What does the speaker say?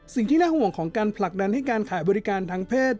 สิ่งที่น่าห่วงของการผลักดันให้การขายบริการทางเพศ